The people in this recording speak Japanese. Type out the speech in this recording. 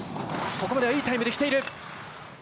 ここまではいいタイムできている。